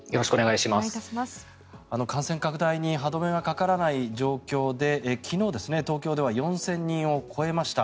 感染拡大に歯止めがかからない状況で昨日、東京では４０００人を超えました。